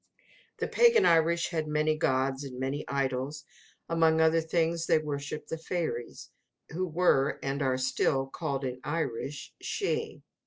The pagan Irish had many gods and many idols. Among other things, they worshipped the Fairies, who were, and are still, called in Irish Shee.